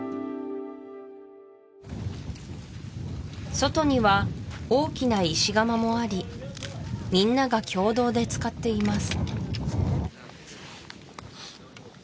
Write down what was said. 外には大きな石窯もありみんなが共同で使っています